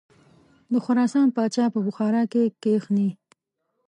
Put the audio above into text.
د خراسان پاچا په بخارا کې کښیني.